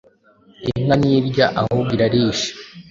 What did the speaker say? Inka ntirya ahubwo Irarisha